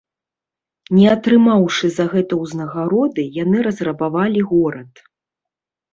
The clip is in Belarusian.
Не атрымаўшы за гэта ўзнагароды, яны разрабавалі горад.